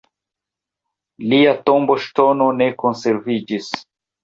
Lia tomboŝtono ne konserviĝis.